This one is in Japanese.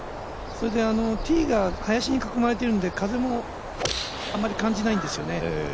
それでティーが林に囲まれているので風もあまり感じないんですよね。